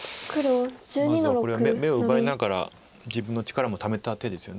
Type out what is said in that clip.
まずはこれは眼を奪いながら自分の力もためた手ですよね。